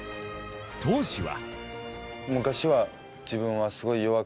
当時は。